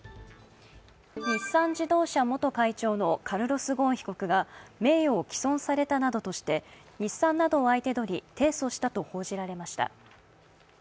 日産自動車元会長のカルロス・ゴーン被告が名誉を毀損されたなどとして日産などを相手取り、提訴したと報じられました。